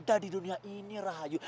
ada di dunia ini rahayu